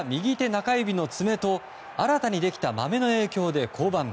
中指の爪と新たにできたマメの影響で降板。